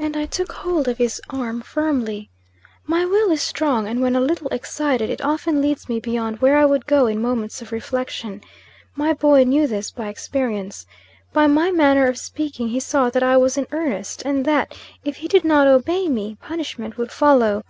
And I took hold of his arm firmly. My will is strong, and when a little excited, it often leads me beyond where I would go in moments of reflection. My boy knew this by experience. By my manner of speaking he saw that I was in earnest, and that, if he did not obey me, punishment would follow.